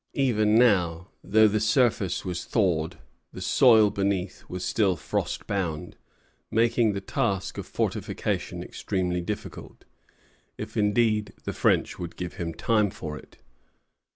Even now, though the surface was thawed, the soil beneath was still frost bound, making the task of fortification extremely difficult, if indeed the French would give him time for it.